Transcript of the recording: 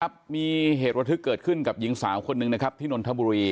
ครับมีเหตุระทึกเกิดขึ้นกับหญิงสาวคนหนึ่งนะครับที่นนทบุรี